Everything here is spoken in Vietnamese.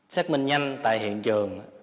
xét minh nhanh tại hiện trường